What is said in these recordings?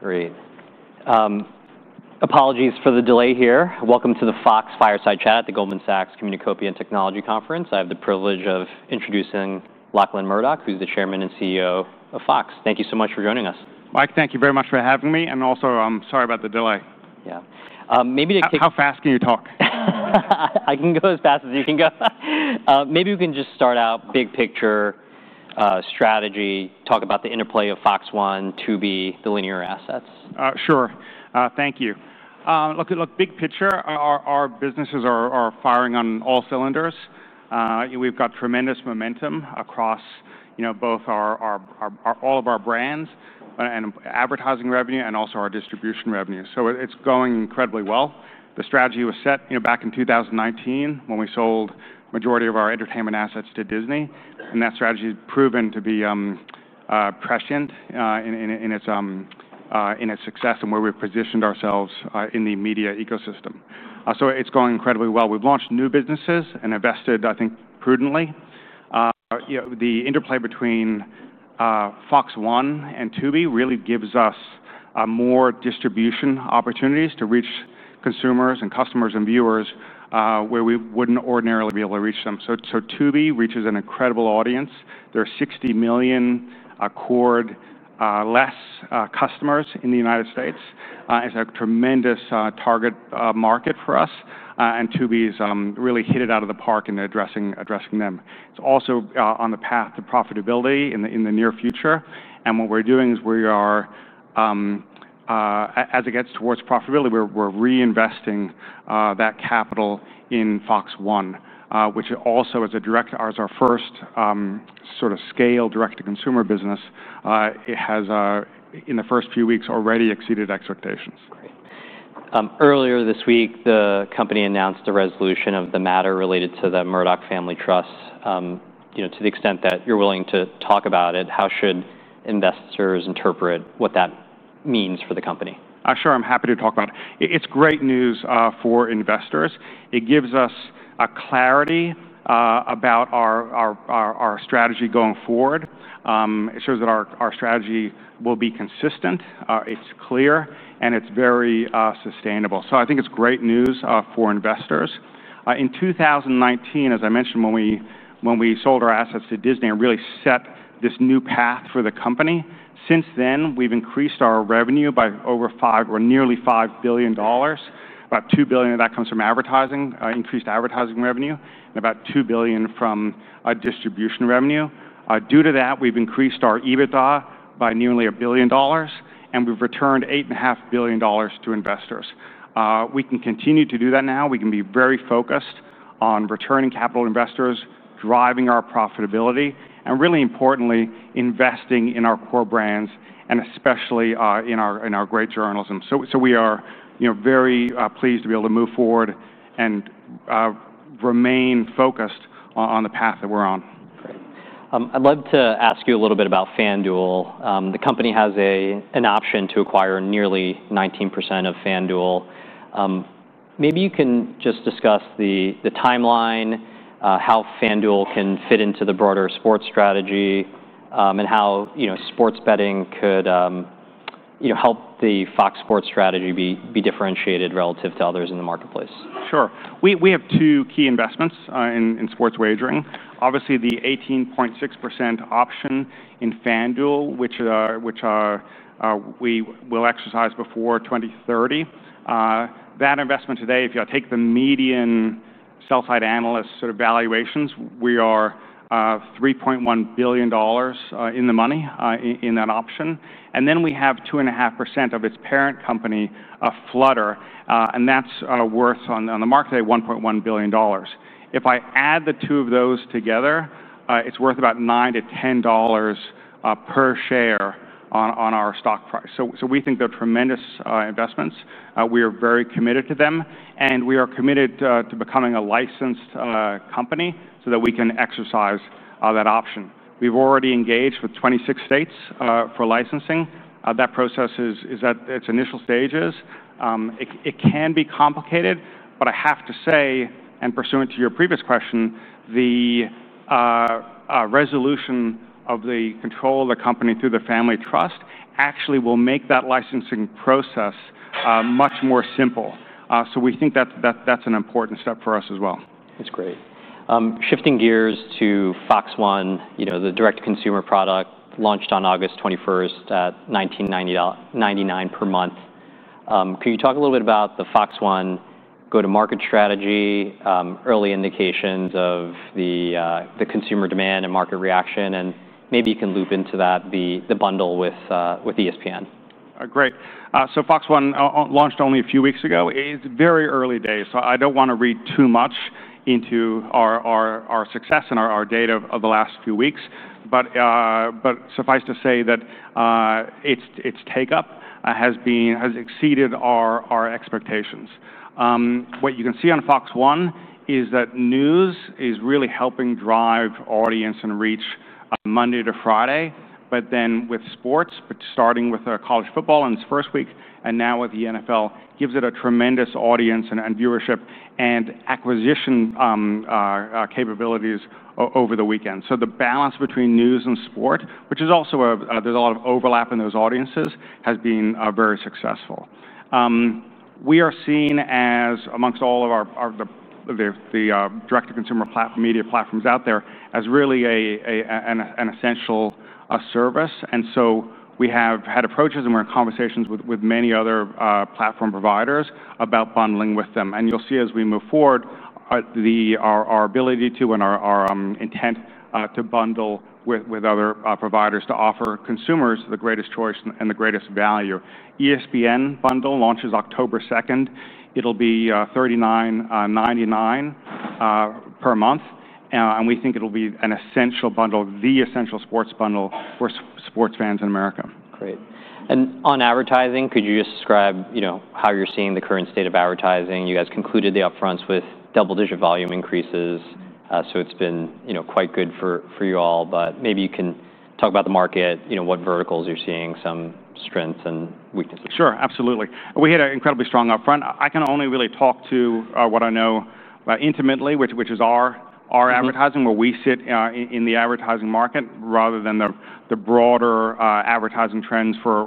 Great. Apologies for the delay here. Welcome to the Fox Fireside Chat at the Goldman Sachs Communicopia Technology Conference. I have the privilege of introducing Lachlan Murdoch, who's the Chairman and CEO of Fox. Thank you so much for joining us. Mark, thank you very much for having me. I'm sorry about the delay. Yeah, maybe to kick. How fast can you talk? I can go as fast as you can go. Maybe we can just start out big picture, strategy, talk about the interplay of Fox One, Tubi, the linear assets. Sure. Thank you. Big picture, our businesses are firing on all cylinders. We've got tremendous momentum across both all of our brands, and advertising revenue, and also our distribution revenue. It's going incredibly well. The strategy was set back in 2019 when we sold the majority of our entertainment assets to The Walt Disney Company. That strategy has proven to be prescient in its success and where we've positioned ourselves in the media ecosystem. It's going incredibly well. We've launched new businesses and invested, I think, prudently. The interplay between Fox One and Tubi really gives us more distribution opportunities to reach consumers, customers, and viewers where we wouldn't ordinarily be able to reach them. Tubi reaches an incredible audience. There are 60 million cord-cutters in the United States. It's a tremendous target market for us. Tubi has really hit it out of the park in addressing them. It's also on the path to profitability in the near future. What we're doing is, as it gets towards profitability, we're reinvesting that capital in Fox One, which also is our first sort of scale direct-to-consumer business. It has, in the first few weeks, already exceeded expectations. Earlier this week, the company announced the resolution of the matter related to the Murdoch Family Trust. To the extent that you're willing to talk about it, how should investors interpret what that means for the company? Sure. I'm happy to talk about it. It's great news for investors. It gives us clarity about our strategy going forward. It shows that our strategy will be consistent. It's clear, and it's very sustainable. I think it's great news for investors. In 2019, as I mentioned, when we sold our assets to The Walt Disney Company and really set this new path for the company, since then, we've increased our revenue by nearly $5 billion. About $2 billion of that comes from increased advertising revenues, and about $2 billion from distribution revenues. Due to that, we've increased our EBITDA by nearly $1 billion. We've returned $8.5 billion to investors. We can continue to do that now. We can be very focused on returning capital to investors, driving our profitability, and really importantly, investing in our core brands, especially in our great journalism. We are very pleased to be able to move forward and remain focused on the path that we're on. Great. I'd love to ask you a little bit about FanDuel. The company has an option to acquire nearly 19% of FanDuel. Maybe you can just discuss the timeline, how FanDuel can fit into the broader sports strategy, and how sports betting could help the Fox Sports strategy be differentiated relative to others in the marketplace. Sure. We have two key investments in sports wagering. Obviously, the 18.6% option in FanDuel, which we will exercise before 2030. That investment today, if you take the median sell-side analyst valuations, we are $3.1 billion in the money in that option. We have 2.5% of its parent company, Flutter. That's worth, on the market today, $1.1 billion. If I add the two of those together, it's worth about $9 to $10 per share on our stock price. We think they're tremendous investments. We are very committed to them. We are committed to becoming a licensed company so that we can exercise that option. We've already engaged with 26 states for licensing. That process is at its initial stages. It can be complicated. I have to say, pursuant to your previous question, the resolution of the control of the company to the family trust actually will make that licensing process much more simple. We think that's an important step for us as well. That's great. Shifting gears to Fox One, the direct-to-consumer product launched on August 21 at $19.99 per month. Could you talk a little bit about the Fox One go-to-market strategy, early indications of the consumer demand and market reaction? Maybe you can loop into that, the bundle with ESPN. Great. Fox One launched only a few weeks ago. It's very early days. I don't want to read too much into our success and our data over the last few weeks, but suffice to say that its take-up has exceeded our expectations. What you can see on Fox One is that news is really helping drive audience and reach Monday to Friday. With sports, starting with college football in its first week and now with the NFL, it gives it a tremendous audience, viewership, and acquisition capabilities over the weekend. The balance between news and sport, which is also there's a lot of overlap in those audiences, has been very successful. We are seen as, amongst all of the direct-to-consumer media platforms out there, really an essential service. We have had approaches and we're in conversations with many other platform providers about bundling with them. You'll see as we move forward our ability to, and our intent to, bundle with other providers to offer consumers the greatest choice and the greatest value. The ESPN bundle launches October 2. It'll be $39.99 per month. We think it'll be an essential bundle, the essential sports bundle for sports fans in America. Great. Could you just describe how you're seeing the current state of advertising? You guys concluded the upfronts with double-digit volume increases. It's been quite good for you all. Maybe you can talk about the market, what verticals you're seeing some strengths and weaknesses. Sure. Absolutely. We hit an incredibly strong upfront. I can only really talk to what I know intimately, which is our advertising, where we sit in the advertising market, rather than the broader advertising trends for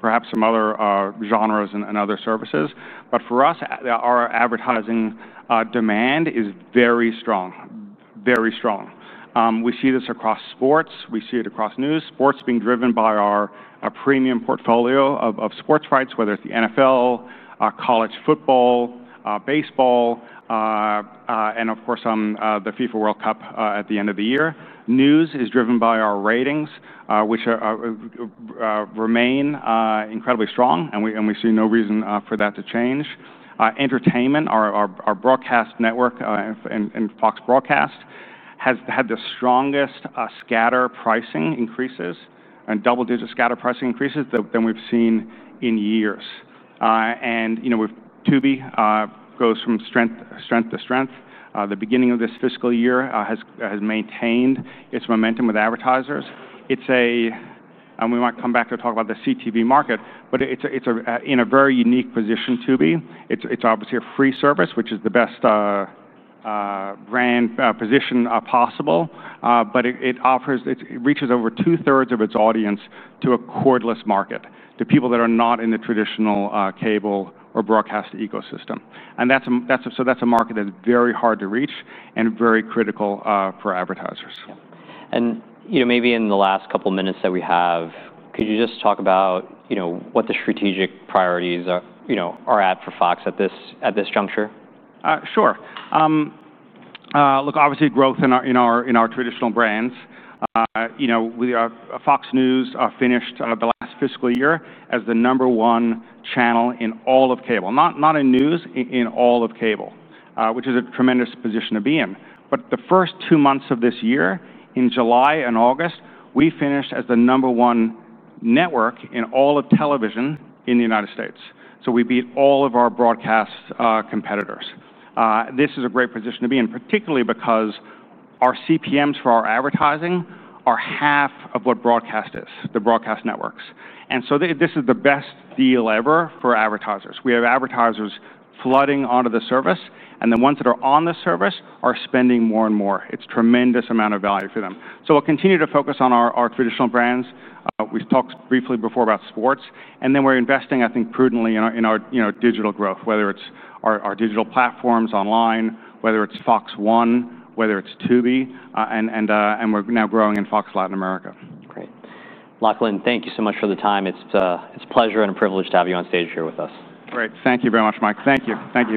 perhaps some other genres and other services. For us, our advertising demand is very strong, very strong. We see this across sports. We see it across news. Sports being driven by our premium portfolio of sports rights, whether it's the NFL, college football, baseball, and of course, the FIFA World Cup at the end of the year. News is driven by our ratings, which remain incredibly strong. We see no reason for that to change. Entertainment, our broadcast network in Fox Broadcast, has had the strongest scatter pricing increases, and double-digit scatter pricing increases than we've seen in years. Tubi goes from strength to strength. The beginning of this fiscal year has maintained its momentum with advertisers. We might come back to talk about the CTV market. It's in a very unique position, Tubi. It's obviously a free service, which is the best brand position possible. It reaches over 2/3 of its audience to a cordless market, to people that are not in the traditional cable or broadcast ecosystem. That's a market that's very hard to reach and very critical for advertisers. Maybe in the last couple of minutes that we have, could you just talk about what the strategic priorities are for Fox at this juncture? Sure. Look, obviously, growth in our traditional brands. Fox News finished the last fiscal year as the number one channel in all of cable, not in news, in all of cable, which is a tremendous position to be in. The first two months of this year, in July and August, we finished as the number one network in all of television in the U.S. We beat all of our broadcast competitors. This is a great position to be in, particularly because our CPMs for our advertising are half of what broadcast is, the broadcast networks. This is the best deal ever for advertisers. We have advertisers flooding onto the service, and the ones that are on the service are spending more and more. It's a tremendous amount of value for them. We will continue to focus on our traditional brands. We talked briefly before about sports, and we are investing, I think, prudently in our digital growth, whether it's our digital platforms online, whether it's Fox One, whether it's Tubi. We are now growing in Fox Latin America. Great. Lachlan, thank you so much for the time. It's a pleasure and a privilege to have you on stage here with us. Great. Thank you very much, Mike. Thank you. Thank you.